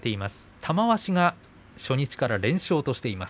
玉鷲が初日から連勝としています。